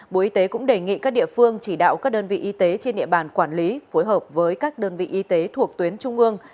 bộ y tế cũng đề nghị các địa phương chỉ đạo các đơn vị y tế trên địa bàn quản lý phối hợp với các đơn vị y tế thuộc tuyến trung ương